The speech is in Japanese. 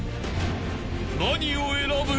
［何を選ぶ？］